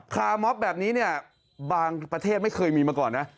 คาร์มอบแบบนี้เนี่ยบางประเทศไม่เคยมีมาก่อนนะ